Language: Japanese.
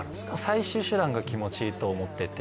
最終手段が気持ちと思ってて